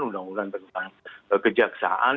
undang undang tentang kejaksaan